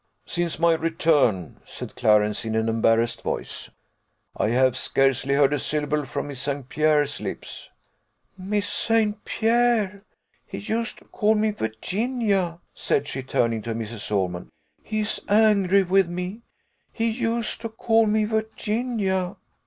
"Since my return," said Clarence, in an embarrassed voice, "I have scarcely heard a syllable from Miss St. Pierre's lips." "Miss St. Pierre! He used to call me Virginia," said she, turning to Mrs. Ormond: "he is angry with me he used to call me Virginia."